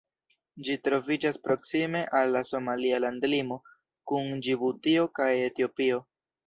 Ĝi troviĝas proksime al la somalia landlimo kun Ĝibutio kaj Etiopio.